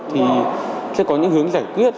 thì sẽ có những hướng giải quyết